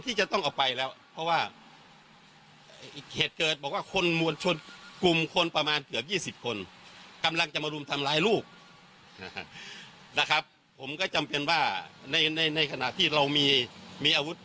ที่จะเอาไปขู่ทำร้ายใครนะครับ